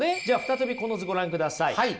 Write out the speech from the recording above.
じゃあ再びこの図ご覧ください。